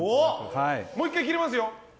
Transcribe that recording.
もう１回切れますよ。